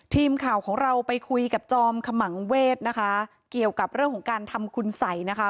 ทีมข่าวของเราไปคุยกับจอมขมังเวศนะคะเกี่ยวกับเรื่องของการทำคุณสัยนะคะ